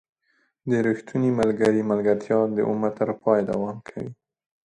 • د ریښتوني ملګري ملګرتیا د عمر تر پایه دوام کوي.